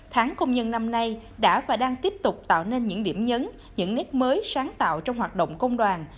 tháng công nhân năm nay đã và đang tiếp tục tạo nên những điểm nhấn những nét mới sáng tạo trong hoạt động công đoàn